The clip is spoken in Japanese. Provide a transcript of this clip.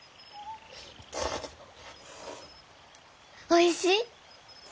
おいしい？